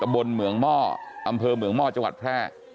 บนเหมืองหม้ออำเภอเมืองหม้อจังหวัดแพร่